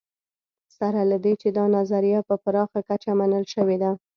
سره له دې چې دا نظریه په پراخه کچه منل شوې ده